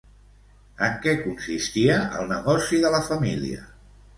En què consistia el negoci de la família?